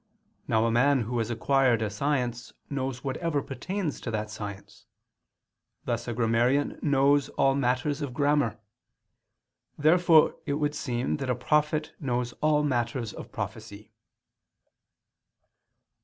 Now a man who has acquired a science knows whatever pertains to that science; thus a grammarian knows all matters of grammar. Therefore it would seem that a prophet knows all matters of prophecy.